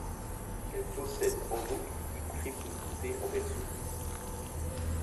Elle possède en outre une crypte voûtée en berceau.